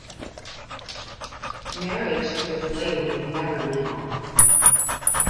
Marriage to a slave was never legal.